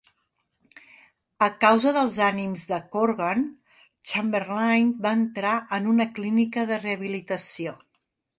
A causa dels ànims de Corgan, Chamberlin va entrar en una clínica de rehabilitació.